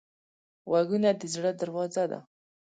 غوږونه د زړه دروازه ده